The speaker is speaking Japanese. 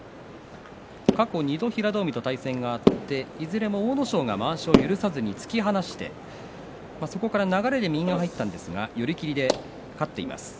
過去２度、平戸海と対戦があっていずれも阿武咲がまわしを許さずに突き放してそこから流れで右が入ったんですが寄り切りで勝っています。